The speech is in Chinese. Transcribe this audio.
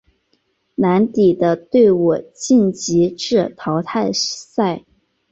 蓝底的队伍晋级至淘汰赛。